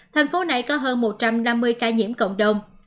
thành phố này có hơn một trăm năm mươi ca nhiễm cộng đồng